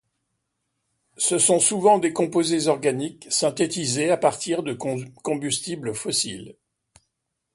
Ce sont souvent des composés organiques synthétisés à partir de combustibles fossiles.